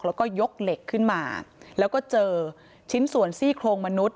แล้วก็ยกเหล็กขึ้นมาแล้วก็เจอชิ้นส่วนซี่โครงมนุษย